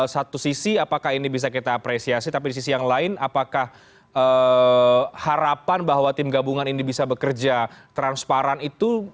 satu sisi apakah ini bisa kita apresiasi tapi di sisi yang lain apakah harapan bahwa tim gabungan ini bisa bekerja transparan itu